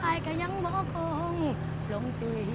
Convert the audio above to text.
อายกายังหมอคงลงจุย